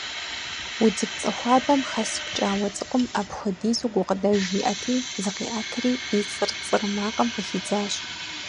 Удзыпцӏэ хуабэм хэс пкӏауэ цӏыкӏум апхуэдизу гукъыдэж иӏэти, зыкъиӏэтри, и цӏыр-цӏыр макъым къыхидзащ.